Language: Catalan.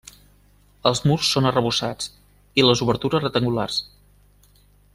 Els murs són arrebossats i les obertures rectangulars.